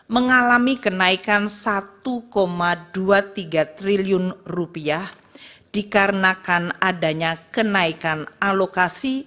mengalami kenaikan satu dua puluh tiga triliun rupiah dikarenakan adanya kenaikan alokasi